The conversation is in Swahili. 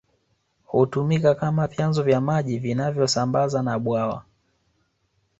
Hutumika kama vyanzo vya maji vinavyosambaza na bwawa